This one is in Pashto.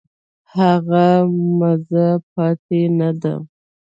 هغه مزه پاتې نه ده.